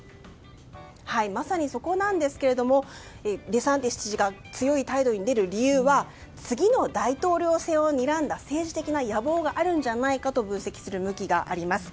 まさにそこですがデサンティス知事が強い態度に出る理由は次の大統領選をにらんだ政治的な野望があるんじゃないかと分析する動きがあります。